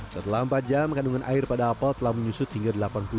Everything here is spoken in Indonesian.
setelah empat jam kandungan air pada apel telah menyusut hingga delapan puluh